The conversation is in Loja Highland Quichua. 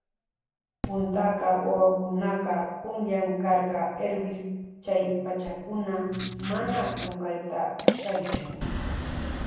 Puntaka wawakunaka punllan karka Hervis chay pachakuna mana kunkayta ushaychu.